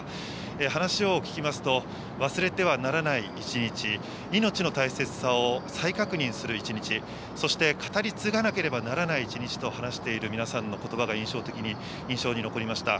話を聞きますと、忘れてはならない一日、命を大切さを再確認する一日、そして語り継がなければならない一日と話している皆さんのことばが印象に残りました。